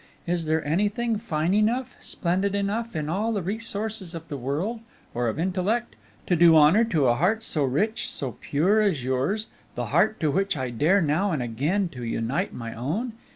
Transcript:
Is there anything fine enough, splendid enough, in all the resources of the world, or of intellect, to do honor to a heart so rich, so pure as yours the heart to which I dare now and again to unite my own?